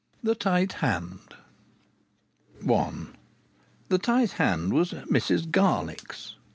THE TIGHT HAND I The tight hand was Mrs Garlick's.